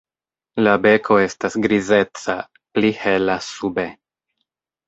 La beko estas grizeca, pli hela sube.